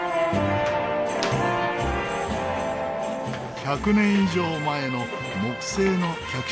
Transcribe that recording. １００年以上前の木製の客車も。